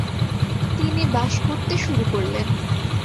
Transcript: তিনি বাস করতে শুরু করলেন।